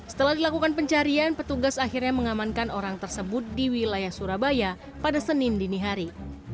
setelah dilakukan pencarian petugas akhirnya mengamankan orang tersebut di wilayah surabaya pada senin dini hari